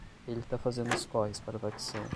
Ele tá fazendo os corres para a facção